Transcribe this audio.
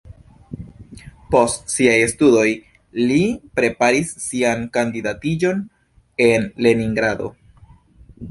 Post siaj studoj li preparis sian kandidatiĝon en Leningrado.